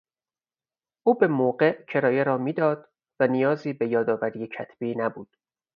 او به موقع کرایه را میداد و نیازی به یادآوری کتبی نبود.